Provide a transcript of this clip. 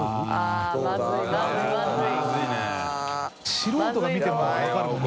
素人が見ても分かるもんな。